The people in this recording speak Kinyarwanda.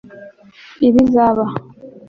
ibizaba